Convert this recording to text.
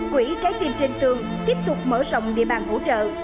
quỹ trái tim trên tường tiếp tục mở rộng địa bàn hỗ trợ